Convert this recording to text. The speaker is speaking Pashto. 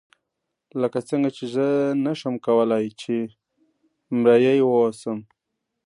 لکه څنګه چې زه نشم کولای چې مریی واوسم.